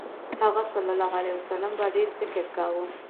هغه ﷺ به ډېر ذکر کاوه.